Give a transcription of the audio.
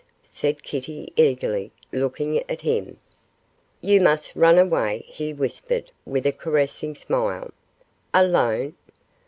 said Kitty, eagerly, looking at him. 'You must run away,' he whispered, with a caressing smile. 'Alone?